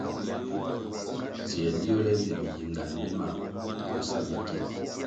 Tsiē liole vi biyingan bi mam koh sa bikil.